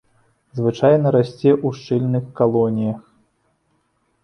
Звычайна расце ў шчыльных калоніях.